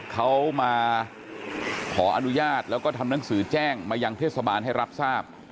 เขามาขออนุญาตแล้วก็ทำหนังสือแจ้งมายังเทศบาลให้รับทราบ